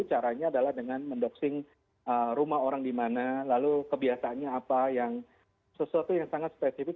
caranya adalah dengan mendoxing rumah orang di mana lalu kebiasaannya apa yang sesuatu yang sangat spesifik